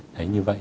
đấy như vậy